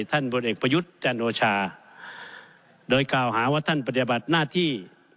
บทเอกประยุทธ์จันโอชาโดยกล่าวหาว่าท่านปฏิบัติหน้าที่